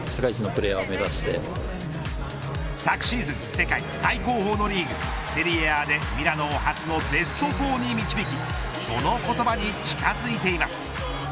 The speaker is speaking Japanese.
昨シーズン世界最高峰のリーグ、セリエＡでミラノを初のベスト４に導きその言葉に近づいています。